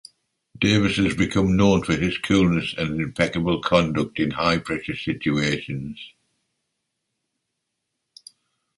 Davis has become known for his coolness and impeccable conduct in high-pressure situations.